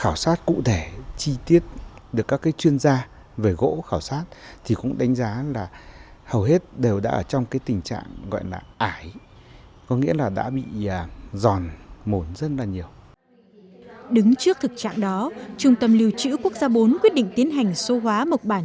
hãy đăng ký kênh để ủng hộ kênh của chúng mình nhé